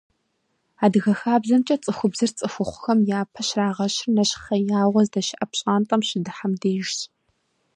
Адыгэ хабзэмкӀэ цӀыхубзыр цӀыхухъухэм япэ щрагъэщыр нэщхъеягъуэ здэщыӀэ пщӀантӀэм щыдыхьэм дежщ.